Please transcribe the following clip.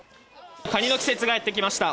カニの季節がやって来ました。